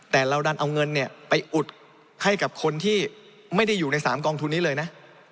แต่เราดันเอาเงินไปอุดให้กับคนที่ไม่ได้อยู่ใน๓กองทุนนี้เลยนะ